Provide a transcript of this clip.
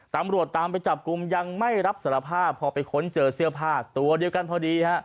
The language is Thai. ตามไปจับกลุ่มยังไม่รับสารภาพพอไปค้นเจอเสื้อผ้าตัวเดียวกันพอดีฮะ